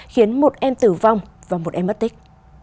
khiến một em tử vong và một em mất tích